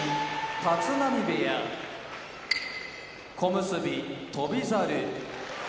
立浪部屋小結・翔猿